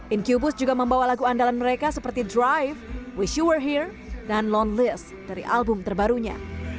incubus juga membawa lagu andalan mereka seperti drive wish you were here dan lonelys dari album terbarunya